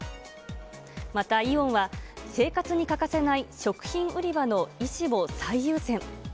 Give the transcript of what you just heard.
またイオンは、生活に欠かせない食品売り場の維持を最優先。